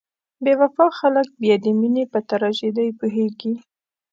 بې وفا خلک بیا د مینې په تراژیدۍ پوهیږي.